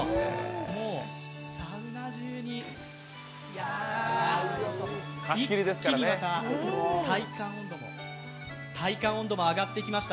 もうサウナ中に、一気にまた体感温度も上がってきました。